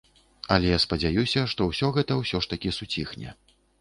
Але спадзяюся, што ўсё гэта ўсё ж такі суціхне.